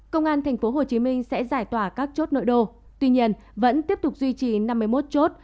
công an tp hcm sẽ giải tỏa các chốt nội đô tuy nhiên vẫn tiếp tục duy trì năm mươi một chốt